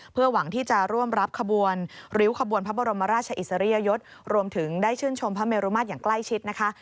เพื่อหวังที่จะร่วมรับขบวนริ้วขบวนพระบรมราชอิสริยยศรวมถึงได้ชื่นชมพระเมรุมาตรอย่างใกล้ชิดนะคะ